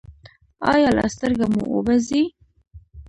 ایا له سترګو مو اوبه ځي؟